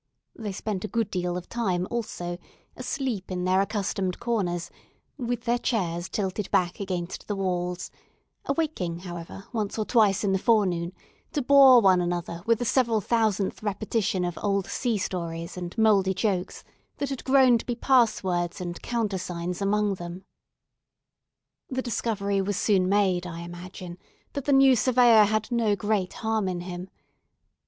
They spent a good deal of time, also, asleep in their accustomed corners, with their chairs tilted back against the walls; awaking, however, once or twice in the forenoon, to bore one another with the several thousandth repetition of old sea stories and mouldy jokes, that had grown to be passwords and countersigns among them. The discovery was soon made, I imagine, that the new Surveyor had no great harm in him.